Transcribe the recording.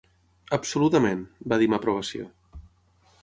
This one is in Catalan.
"Absolutament", va dir amb aprovació.